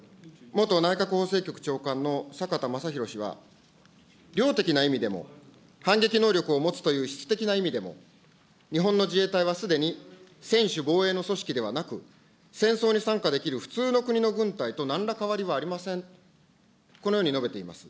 元内閣法制局長官のさかたまさひろ氏は、量的な意味でも、反撃能力を持つという質的な意味でも、日本の自衛隊はすでに専守防衛の組織ではなく、戦争に参加できる普通の国の軍隊となんら変わりはありません、このように述べています。